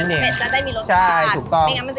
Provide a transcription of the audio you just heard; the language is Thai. เป็ดจะได้มีรสชาติไม่งั้นมันจะอยู่แค่น้ำหมักใช่ถูกต้อง